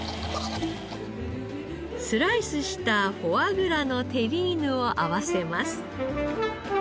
スライスしたフォアグラのテリーヌを合わせます。